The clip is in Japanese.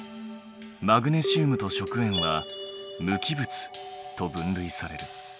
マグネシウムと食塩は無機物と分類される。